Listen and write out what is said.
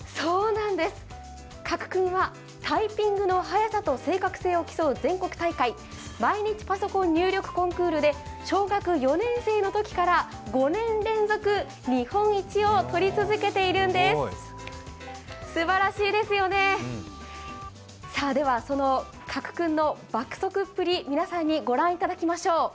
加来君はタイピングの速さと正確さを競う全国大会、毎日パソコン入力コンクールで小学４年生のときから５年連続日本一を取り続けているんですすばらしいですよね、加来君の爆速っぷり皆さんに御覧いただきましょう。